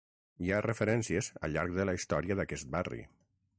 Hi ha referències al llarg de la història d'aquest barri.